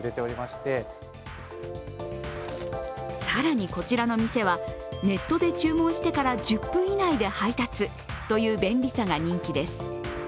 更にこちらの店はネットで注文してから１０分以内で配達という便利さが人気です。